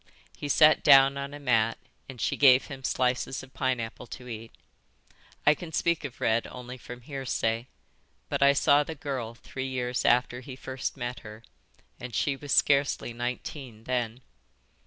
He sat down on a mat and she gave him slices of pineapple to eat. I can speak of Red only from hearsay, but I saw the girl three years after he first met her, and she was scarcely nineteen then.